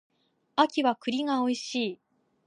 秋は栗が美味しい